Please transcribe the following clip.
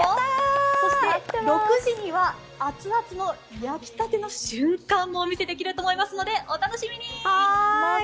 そして６時にはアツアツの焼きたての瞬間もお見せできると思いますのでお楽しみに！